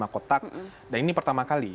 lima kotak dan ini pertama kali